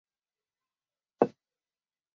规矩数是指可用尺规作图方式作出的实数。